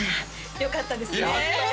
よかったですねやった！